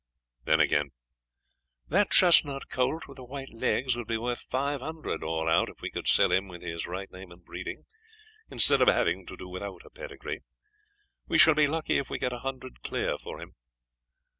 Then, again, 'That chestnut colt with the white legs would be worth five hundred all out if we could sell him with his right name and breeding, instead of having to do without a pedigree. We shall be lucky if we get a hundred clear for him.